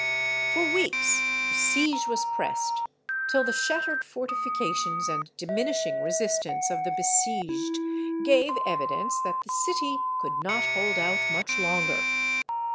For weeks the siege was pressed, till the shattered fortifications and diminishing resistance of the besieged gave evidence that the city could not hold out much longer.